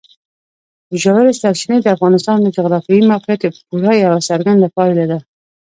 ژورې سرچینې د افغانستان د جغرافیایي موقیعت پوره یوه څرګنده پایله ده.